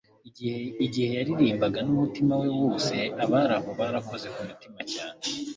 igihe yaririmbaga n'umutima we wose, abari aho barakoze ku mutima cyane